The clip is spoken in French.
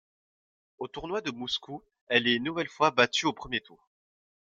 Au tournoi de Moscou, elle est une nouvelle fois battue au premier tour.